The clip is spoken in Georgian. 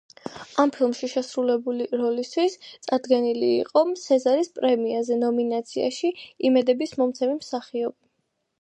ამ ფილმში შესრულებული როლისთვის წარდგენილი იყო სეზარის პრემიაზე ნომინაციაში იმედების მომცემი მსახიობი.